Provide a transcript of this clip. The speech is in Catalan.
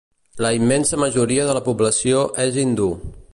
La immensa majoria de la població és hindú.